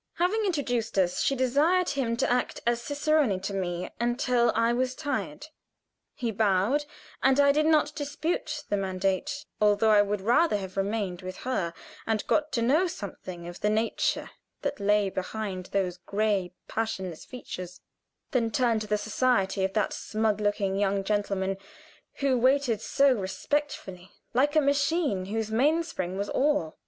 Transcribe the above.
Having introduced us, she desired him to act as cicerone to me until I was tired. He bowed, and I did not dispute the mandate, although I would rather have remained with her, and got to know something of the nature that lay behind those gray passionless features, than turn to the society of that smug looking young gentleman who waited so respectfully, like a machine whose mainspring was awe.